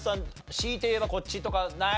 強いて言えばこっちとかない？